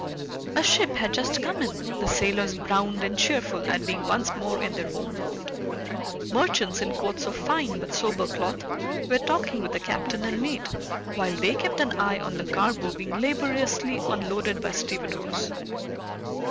A ship had just come in, the sailors browned and cheerful at being once more in their home port. Merchants in coats of fine but sober cloth were talking with the captain and mate, while they kept an eye on the cargo being laboriously unloaded by stevedores.